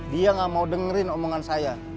dia gak mau dengerin omongan saya